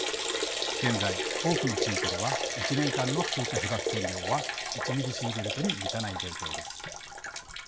現在多くの地域では１年間の追加被曝線量は１ミリシーベルトに満たない状況です。